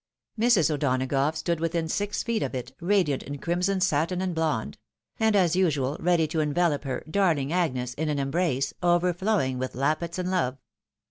Mrs. O'Donagough stood within six feet of it, radiant in crimson satin and blonde ; and, as usual, ready to envelop her " darhng Agues " in an embrace, overflowing with lappets and 168 THE WIDOW MARRIED. love.